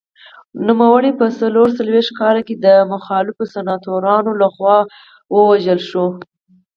نوموړی په څلور څلوېښت کال کې د مخالفو سناتورانو لخوا ووژل شو.